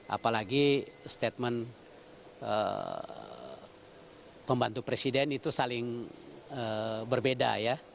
apalagi statement pembantu presiden itu saling berbeda ya